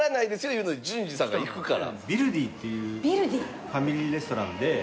いうのに純次さんが行くから。